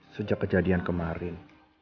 sejak kejadian kemarin